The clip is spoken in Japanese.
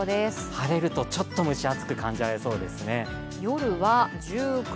晴れるとちょっと蒸し暑く感じられそうですね。